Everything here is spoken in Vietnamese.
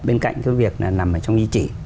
bên cạnh cái việc là nằm trong di chỉ